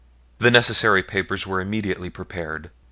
The necessary papers were immediately prepared.